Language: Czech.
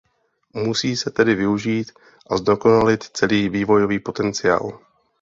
Musí se tedy využít a zdokonalit celý vývojový potenciál.